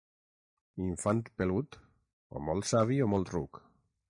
Infant pelut, o molt savi o molt ruc.